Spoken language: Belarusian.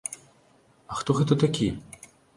А хто гэта такі?